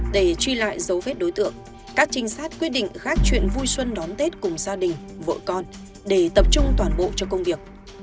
để truy lại dấu vết đối tượng các trinh sát quyết định khác chuyện vui xuân đón tết cùng gia đình vợ con để tập trung toàn bộ cho công việc